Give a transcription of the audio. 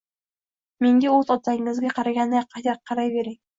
Menga o`z otangizga qaraganday qarayvering